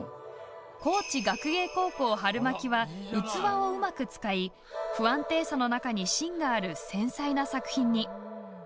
高知学芸高校「はるまき」は器をうまく使い不安定さの中に芯がある繊細な作品に。